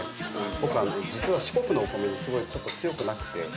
僕実は四国のお米にすごいちょっと強くなくて。